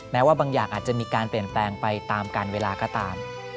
ว่าบางอย่างอาจจะมีการเปลี่ยนแปลงไปตามการเวลาก็ตาม